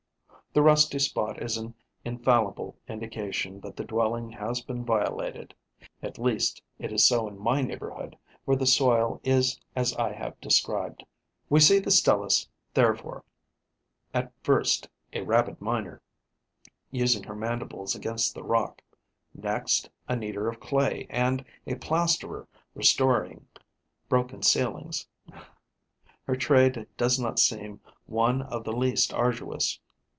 The rusty spot is an infallible indication that the dwelling has been violated: at least, it is so in my neighbourhood, where the soil is as I have described. We see the Stelis, therefore, at first a rabid miner, using her mandibles against the rock; next a kneader of clay and a plasterer restoring broken ceilings. Her trade does not seem one of the least arduous.